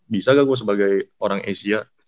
bisa gak gue sebagai orang asia